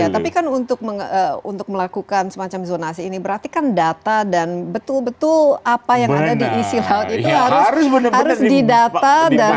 tapi kan untuk melakukan semacam zonasi ini berarti kan data dan betul betul apa yang ada di isi laut itu harus didata